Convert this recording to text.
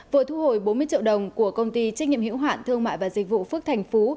vừa thu hồi bốn mươi triệu đồng của công ty trách nhiệm hiểu hạn thương mại và dịch vụ phước thành phú